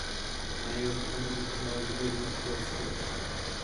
Na jihovýchodě bychom nalezli Ruth Glacier.